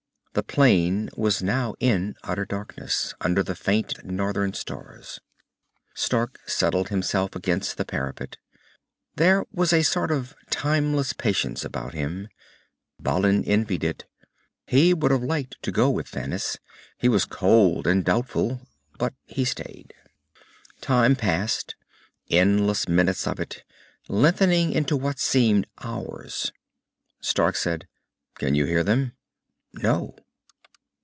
The plain was now in utter darkness, under the faint, far Northern stars. Stark settled himself against the parapet. There was a sort of timeless patience about him. Balin envied it. He would have liked to go with Thanis. He was cold and doubtful, but he stayed. Time passed, endless minutes of it, lengthening into what seemed hours. Stark said, "Can you hear them?" "No."